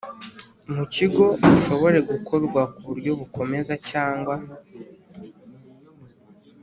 Mu kigo ushobore gukorwa ku buryo bukomeza cyangwa